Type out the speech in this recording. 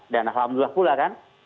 dan alhamdulillah pula kan